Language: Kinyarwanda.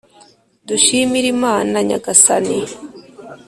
dushimire imana nyagasani